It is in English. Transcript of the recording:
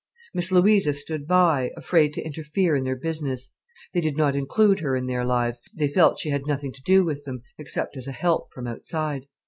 Miss Louisa stood by, afraid to interfere in their business. They did not include her in their lives, they felt she had nothing to do with them, except as a help from outside.